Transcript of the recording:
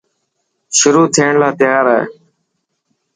شروع ٿيڻ لا تيار هي.